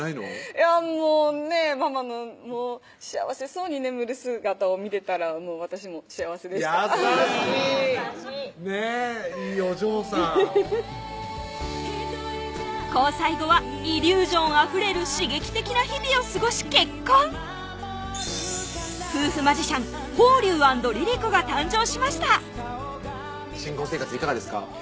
いやもうねママの幸せそうに眠る姿を見てたら私も幸せでした優しいねっいいお嬢さん交際後はイリュージョンあふれる刺激的な日々を過ごし結婚夫婦マジシャン・峰龍＆Ｒｉｒｉｃｏが誕生しました新婚生活いかがですか？